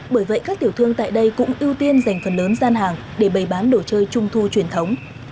bởi vậy các tiểu thương tại đây cũng ưu tiên dành phần lớn gian hàng để bày bán đồ chơi trung thu truyền thống